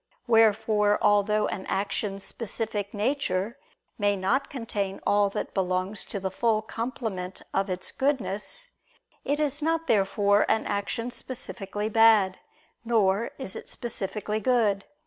Wherefore although an action's specific nature may not contain all that belongs to the full complement of its goodness, it is not therefore an action specifically bad; nor is it specifically good.